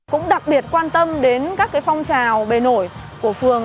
cũng đặc biệt quan tâm đến các phong trào bề nổi của phường